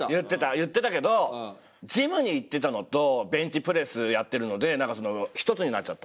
言ってたけどジムに行ってたのとベンチプレスやってるのでなんか１つになっちゃった。